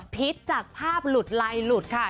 พิษจากภาพหลุดไลหลุดค่ะ